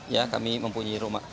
ya kami mempunyai rumah